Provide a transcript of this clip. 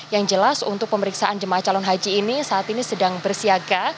yang jelas untuk pemeriksaan jemaah calon haji ini saat ini sedang bersiaga